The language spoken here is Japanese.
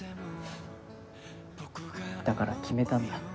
だから決めたんだ。